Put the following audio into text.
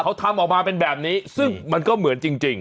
เขาทำออกมาเป็นแบบนี้ซึ่งมันก็เหมือนจริง